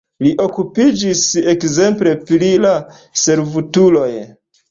Li okupiĝis ekzemple pri la servutuloj.